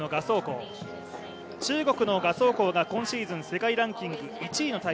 中国の賀相紅が、今シーズン世界ランキング１位。